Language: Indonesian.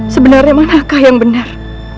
sebenarnya manakah yang benar